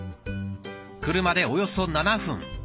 車でおよそ７分。